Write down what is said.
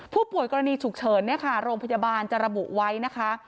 ผู้ป่วยกรณีฉุกเฉินเนี่ยค่ะโรงพยาบาลจะระบุไว้นะคะ